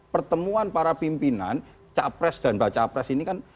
pertemuan para pimpinan capres dan mbak capres ini kan